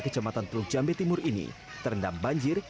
ke jemaatan teluk jambe timur ini terendam banjir